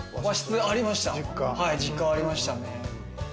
実家ありましたね。